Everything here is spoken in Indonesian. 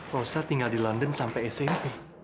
rosa tinggal di london sampai smp